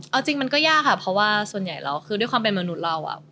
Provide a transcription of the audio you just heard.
เอาจริงมันก็ยากค่ะเพราะว่าส่วนใหญ่แล้วคือด้วยความเป็นมนุษย์เรา